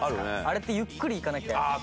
あれってゆっくりいかなきゃいけない。